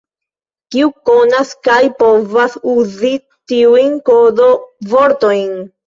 Kiu konas kaj povas uzi tiujn kodo-vortojn?